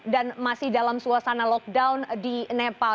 dan masih dalam suasana lockdown di nepal